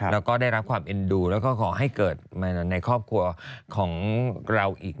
แล้วก็ได้รับความเอ็นดูแล้วก็ขอให้เกิดมาในครอบครัวของเราอีก